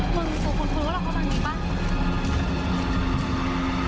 พวกคุณคุณว่าเราเข้าทางนี้ปะ